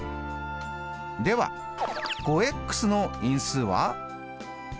では５の因数は？